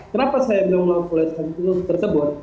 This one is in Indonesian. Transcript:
kenapa saya bilang merawat polarisasi tersebut